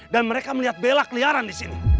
dan mereka melihat bella keliaran di sini